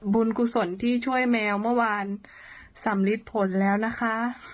กุศลที่ช่วยแมวเมื่อวานสำลิดผลแล้วนะคะ